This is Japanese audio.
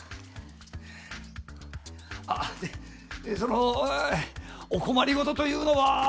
あ、でその、お困りごとというのは。